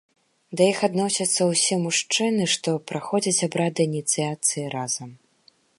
Да іх адносяцца ўсе мужчыны, што праходзяць абрады ініцыяцыі разам.